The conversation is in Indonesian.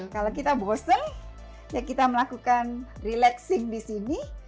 kalau kita bosen ya kita melakukan relaxing di sini